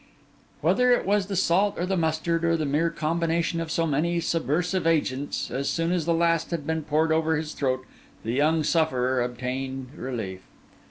Whether it was the salt or the mustard, or the mere combination of so many subversive agents, as soon as the last had been poured over his throat, the young sufferer obtained relief.